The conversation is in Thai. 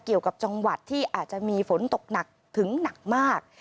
เกี่ยวกับจังหวัดที่อาจจะมีฝนตกหนักถึงหนักมาก